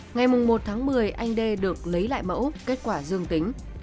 ngày một tháng một mươi anh đê được lấy lại mẫu kết quả dương tính